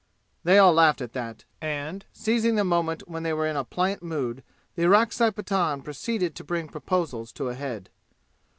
They all laughed at that and seizing the moment when they were in a pliant mood the Orakzai Pathan proceeded to bring proposals to a head.